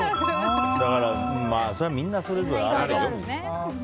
だから、それはみんなそれぞれあるんですね。